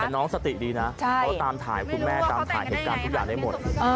แต่น้องสติดีนะเขาตามถ่ายคุณแม่ตามถ่ายเหตุการณ์ทุกอย่างได้หมด